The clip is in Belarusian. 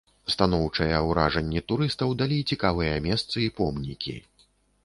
Станоўчыя ўражанні турыстаў далі цікавыя месцы і помнікі.